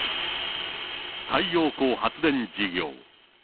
太陽光発電事業。